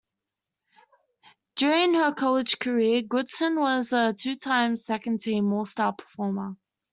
During her college career, Goodson was a two-time second team All-Star performer.